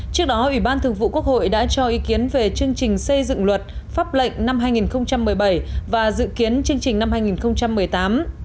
trước đó ủy ban thường vụ quốc hội đã cho ý kiến về chương trình xây dựng luật pháp lệnh năm hai nghìn một mươi bảy và dự kiến chương trình năm hai nghìn một mươi tám